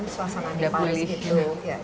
suasana di paris itu